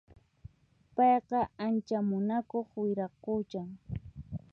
Payqa ancha munakuq wiraquchan